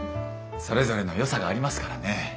それぞれのよさがありますからね。